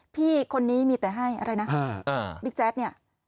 พี่คนนี้มีแต่ให้อะไรนะบิ๊กแจ๊กเนี่ย